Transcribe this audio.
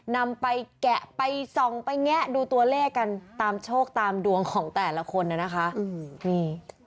นำไปแกะไปส่องไปแงะดูตัวเลขกันตามโชคตามดวงของแต่ละคนน่ะนะคะนี่